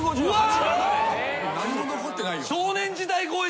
何も残ってないよ。